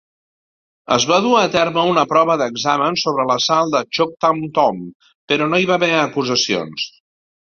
Es va dur a terme una prova d'examen sobre l'assalt a Choctaw Tom, però no hi va haver acusacions.